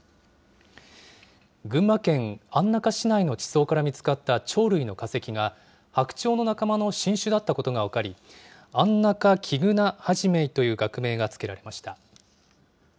群馬県安中市内の地層から見つかった鳥類の化石が、白鳥の仲間の新種だったことが分かり、アンナカキグナハジメイという学名が付けられました。